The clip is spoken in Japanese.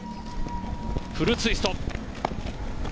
フルツイスト。